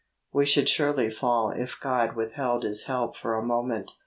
We should surely fall if God withheld His help for a moment.